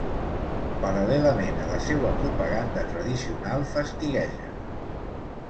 Paral·lelament a la seua propaganda tradicional, fastigueja.